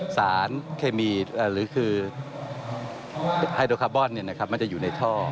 สารเคมีหรือคือไฮโดคาร์บอนมันจะอยู่ในท่อ